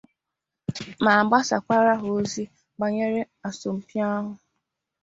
ma gbasakwara ha ozi banyere asọmpi ahụ